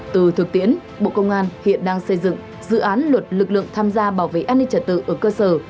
từ thực tiễn bộ công an hiện đang xây dựng dự án luật lực lượng tham gia bảo vệ an ninh trật tự ở cơ sở